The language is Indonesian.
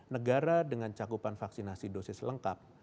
negara dengan cakupan vaksinasi dosis lengkap